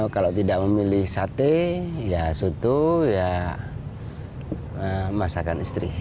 kalau tidak memilih sate ya soto ya masakan istri